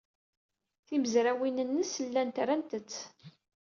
Timezrawin-nnes llant rannt-t.